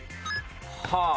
はあ。